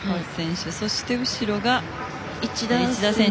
そして後ろが市田選手。